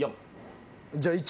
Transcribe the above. じゃあ１。